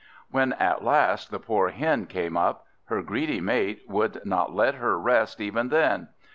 When at last the poor Hen came up, her greedy mate would not let her rest even then.